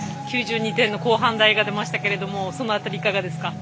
９２点後半台が出ましたがその辺り、いかがですか？